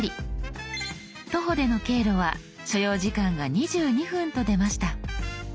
徒歩での経路は所要時間が２２分と出ました。